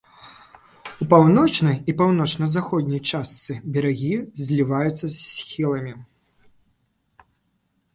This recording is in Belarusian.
У паўночнай і паўночна-заходняй частцы берагі зліваюцца з схіламі.